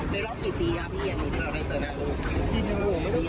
ไปรอบกี่ปีพี่อย่างนี้ต้องให้เจอแแรกลูก